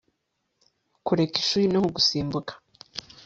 Kureka ishuri ni nko gusimbuka